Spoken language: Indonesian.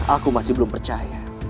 aku masih belum percaya